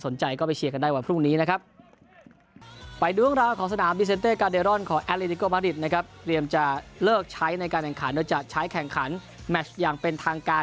ในการแข่งขันโดยจะใช้แข่งขันแมชอย่างเป็นทางการ